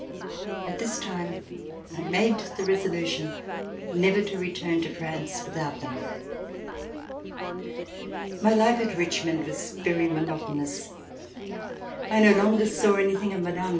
At this time, I made the resolution never to return to France with out them. My life at Richmond was very monotonous. I no longer saw anything of Mme.